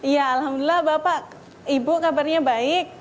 ya alhamdulillah bapak ibu kabarnya baik